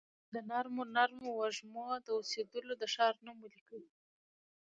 د نرمو نرمو وږمو، د اوسیدولو د ښار نوم ولیکي